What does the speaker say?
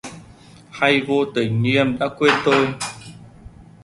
Hay vô tình như em đã quên tôi?